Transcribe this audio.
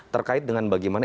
terkait dengan bagaimana